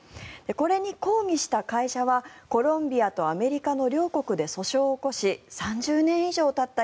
これに抗議した会社はコロンビアとアメリカの両国で訴訟を起こし３０年以上たった